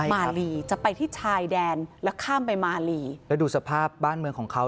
มาลีจะไปที่ชายแดนแล้วข้ามไปมาลีแล้วดูสภาพบ้านเมืองของเขา